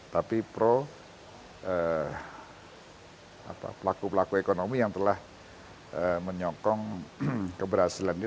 tapi pro pelaku pelaku ekonomi yang telah menyokong keberhasilannya